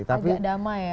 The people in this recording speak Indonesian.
agak damai ya